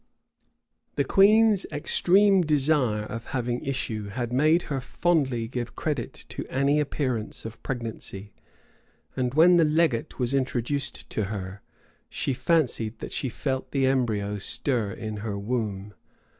The queen's extreme desire of having issue had made her fondly give credit to any appearance of pregnancy; and when the legate was introduced to her, she fancied that she felt the embryo stir in her womb.